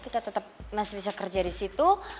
kita tetap masih bisa kerja disitu